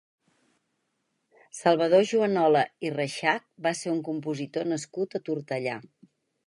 Salvador Juanola i Reixach va ser un compositor nascut a Tortellà.